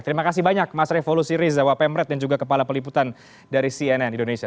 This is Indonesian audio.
terima kasih banyak mas revo lusiri zawa pemret dan juga kepala peliputan dari cnn indonesia